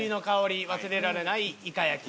忘れられないイカ焼き。